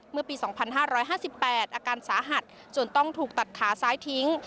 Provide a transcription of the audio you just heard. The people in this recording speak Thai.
เมื่อปี๒๕๕๘อาการสาหัสจนต้องถูกตัดขาซ้ายทิ้ง